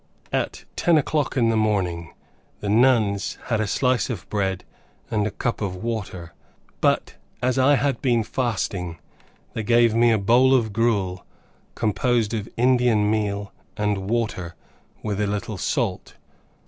At ten o'clock in the morning, the nuns had a slice of bread and cup of water; but, as I had been fasting, they gave me a bowl of gruel, composed of indian meal and water, with a little salt.